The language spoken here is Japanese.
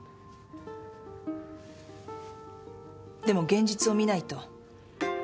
でも現実を見ないと。